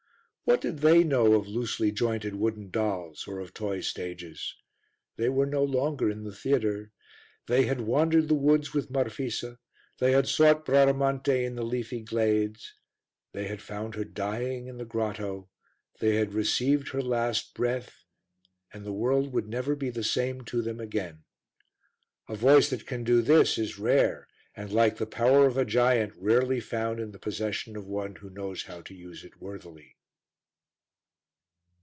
What did they know of loosely jointed wooden dolls or of toy stages? They were no longer in the theatre. They had wandered the woods with Marfisa, they had sought Bradamante in the leafy glades, they had found her dying in the grotto, they had received her last breath and the world would never be the same to them again. A voice that can do this is rare and, like the power of a giant, rarely found in the possession of one who knows how to use it worthily.